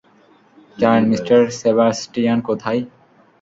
জানেন mister Sebastian কোথায়?